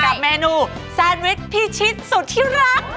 กับเมนูแซนวิชพิชิตสุดที่รัก